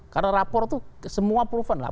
karena rapor itu semua proven lah